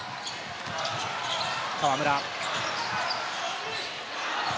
河村。